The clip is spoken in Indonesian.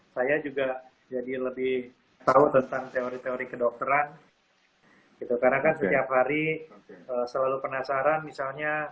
saya juga jadi lebih tahu tentang teori teori kedokteran karena kan setiap hari selalu penasaran misalnya